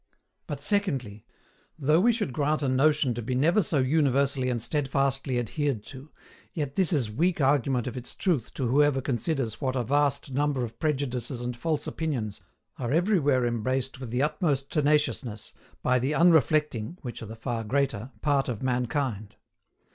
But SECONDLY, though we should grant a notion to be never so universally and steadfastly adhered to, yet this is weak argument of its truth to whoever considers what a vast number of prejudices and false opinions are everywhere embraced with the utmost tenaciousness, by the unreflecting (which are the far greater) part of mankind.